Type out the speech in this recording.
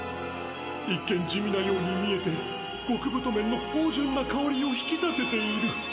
一見地味なように見えてごくぶとめんのほうじゅんなかおりを引き立てている。